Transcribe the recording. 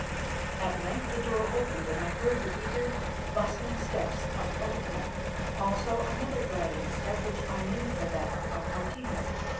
At length the door opened, and I heard the eager, bustling step of Politian, also another gliding step, which I knew for that of Martina.